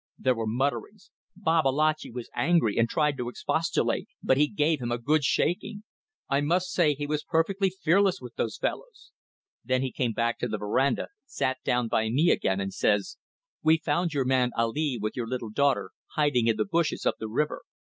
There were mutterings. Babalatchi was angry and tried to expostulate, but he gave him a good shaking. I must say he was perfectly fearless with those fellows. Then he came back to the verandah, sat down by me again, and says: 'We found your man Ali with your little daughter hiding in the bushes up the river.